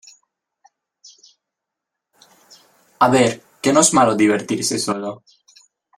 a ver, que no es malo divertirse solo.